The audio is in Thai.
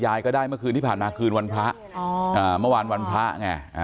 ยายก็ได้เมื่อคืนที่ผ่านมาคืนวันพระเมื่อวานวันพระไง